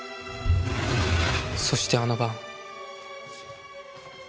そしてあの晩。